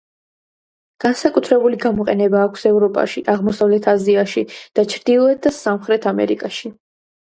განსაკუთრებული გამოყენება აქვს ევროპაში, აღმოსავლეთ აზიაში და ჩრდილოეთ და სამხრეთ ამერიკაში.